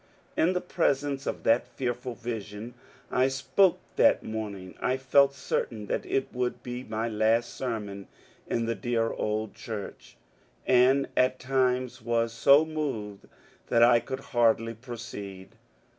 In the presence of that fearful vision I spoke that morning. I felt certain that it would be my last sermon in the dear old church, and at times was so moved that I could hardly pro ceed.